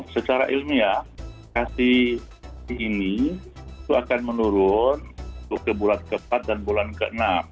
secara ilmiah kesehatan ini akan menurun ke bulan ke empat dan bulan ke enam